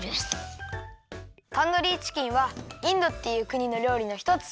タンドリーチキンはインドっていうくにのりょうりのひとつ。